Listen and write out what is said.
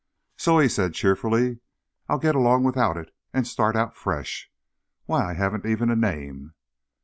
"So," he said, cheerfully, "I'll get along without it, and start out fresh. Why, I haven't even a name!"